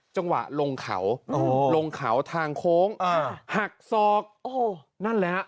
จังหวะลงเขาลงเขาทางโค้งหักซอกนั่นแหละ